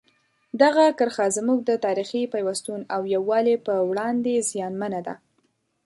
دغه کرښه زموږ د تاریخي پیوستون او یووالي په وړاندې زیانمنه ده.